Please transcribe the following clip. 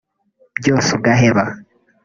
byose ugaheba